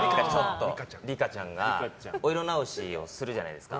梨花ちゃんがお色直しをするじゃないですか。